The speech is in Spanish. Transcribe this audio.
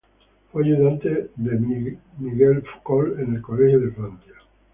Fue ayudante de Michel Foucault en el Colegio de Francia.